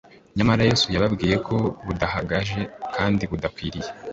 nyamara yesu yababwiye ko budahagije kandi budakwiriye